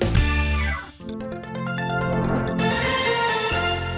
เกินอะไรจำนำ